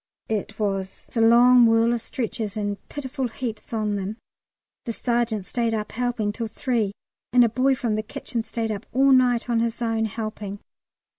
It was a long whirl of stretchers, and pitiful heaps on them. The sergeant stayed up helping till 3, and a boy from the kitchen stayed up all night on his own, helping.